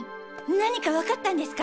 何かわかったんですか？